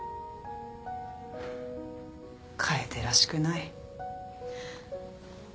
楓らしくない。